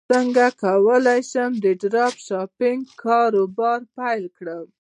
څنګه کولی شم د ډراپ شپینګ کاروبار پیل کړم